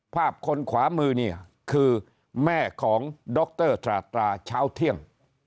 ภาพคนขวามือนี่คือแม่ของดรตราตราเช้าเที่ยง